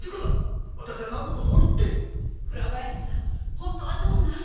本当はどうなん？